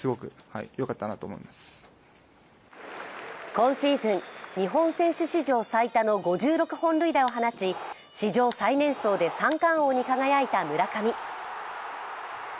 今シーズン、日本選手史上最多の５６本塁打を放ち史上最年少で三冠王に輝いた村上。